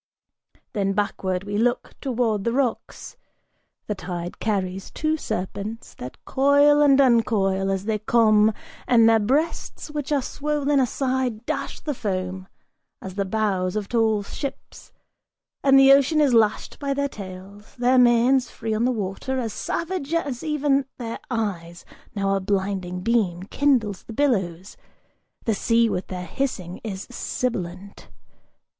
Then backward we look towards the rocks; the tide carries two serpents That coil and uncoil as they come, and their breasts, which are swollen Aside dash the foam, as the bows of tall ships; and the ocean Is lashed by their tails, their manes, free on the water, as savage As even their eyes: now a blinding beam kindles the billows, The sea with their hissing is sibilant!